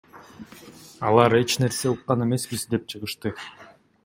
Алар эч нерсе уккан эмеспиз деп чыгышты.